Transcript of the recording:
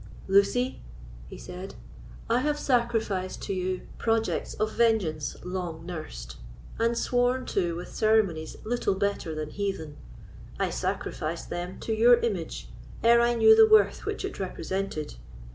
"Lucy," he said, "I have sacrificed to you projects of vengeance long nursed, and sworn to with ceremonies little better than heathen—I sacrificed them to your image, ere I knew the worth which it represented.